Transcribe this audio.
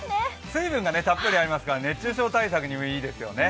水分がたっぷりありますから、熱中症対策にもいいですよね。